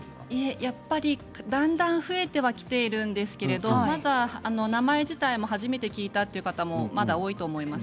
だんだん増えてはきているんですけれどまず名前自体も初めて聞いたという方もまだ多いと思います。